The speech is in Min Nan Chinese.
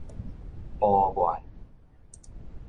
埔源